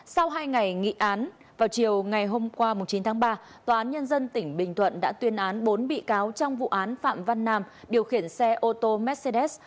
sau hai ngày nghị án vào chiều ngày hôm qua chín tháng ba tòa án nhân dân tỉnh bình thuận đã tuyên án bốn bị cáo trong vụ án phạm văn nam điều khiển xe ô tô mercedes